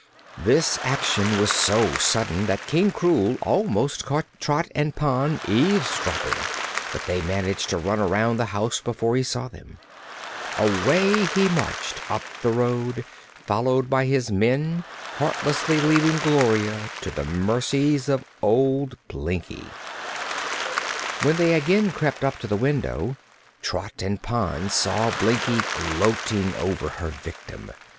This action was so sudden that King Krewl almost caught Trot and Pon eavesdropping, but they managed to run around the house before he saw them. Away he marched, up the road, followed by his men, heartlessly leaving Gloria to the mercies of old Blinkie. When they again crept up to the window, Trot and Pon saw Blinkie gloating over her victim.